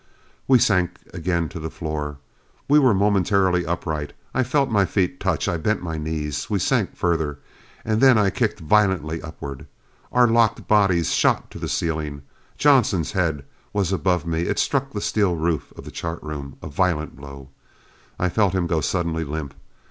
We sank again to the floor. We were momentarily upright. I felt my feet touch. I bent my knees. We sank further. And then I kicked violently upward. Our locked bodies shot to the ceiling. Johnson's head was above me. It struck the steel roof of the chart room. A violent blow. I felt him go suddenly limp.